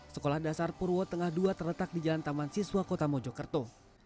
sekolah dasar purwo tengah ii terletak di jalan taman siswa kota mojokerto